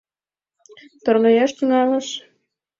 Торгаяш тӱҥалаш?